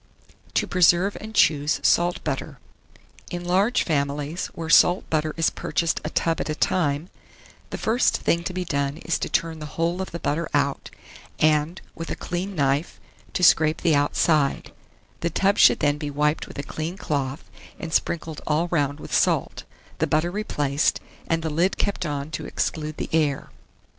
TO PRESERVE AND TO CHOOSE SALT BUTTER. 1633. In large families, where salt butter is purchased a tub at a time, the first thing to be done is to turn the whole of the butter out, and, with a clean knife, to scrape the outside; the tub should then be wiped with a clean cloth, and sprinkled all round with salt, the butter replaced, and the lid kept on to exclude the air.